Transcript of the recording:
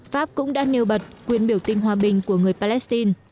pháp cũng đã nêu bật quyền biểu tình hòa bình của người palestine